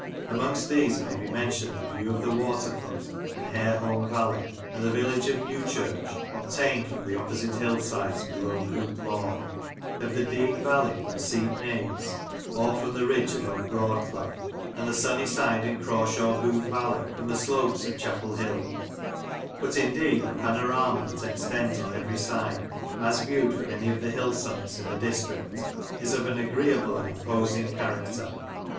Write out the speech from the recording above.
Amongst these may be mentioned the view of the Waterfoot and Hareholme valley, and the village of Newchurch, obtained from the opposite hill sides, below Coupe Law ; of the Dean Valley from Seat Naze, or from the ridge above Broadclough; and the Sunnyside and Crawshawbooth valley from the slopes of Chapel HilL But, indeed, the panorama that extends on every side, as viewed from any of the hill summits in the district, is of an agreeable and imposing character.